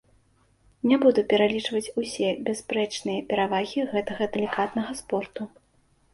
Не буду пералічваць усе бясспрэчныя перавагі гэтага далікатнага спорту.